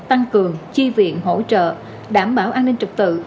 tăng cường chi viện hỗ trợ đảm bảo an ninh trực tự